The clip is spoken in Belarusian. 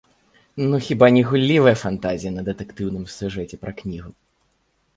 Ну хіба не гуллівая фантазія на дэтэктыўным сюжэце пра кнігу?